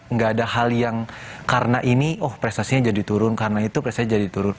nggak ada hal yang karena ini oh prestasinya jadi turun karena itu prestasi jadi turun